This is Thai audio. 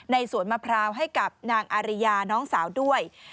ในสวนมะพราว